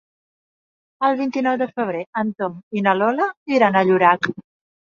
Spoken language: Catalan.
El vint-i-nou de febrer en Tom i na Lola iran a Llorac.